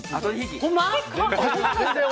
ほんまに？